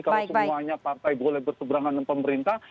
kalau semuanya partai boleh berseberangan dengan pemerintah